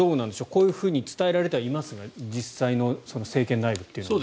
こういうふうに伝えられてはいますが実際の政権内部というのは。